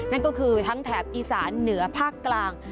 นั่นก็คือทั้งแถบอีสานเหนือภาคกลาง